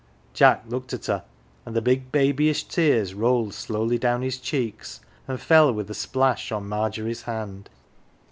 Jack looked at her, and the big babyish tears rolled slowly down his cheeks and fell with a splash on Margery's hand.